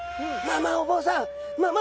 まあまあお坊さん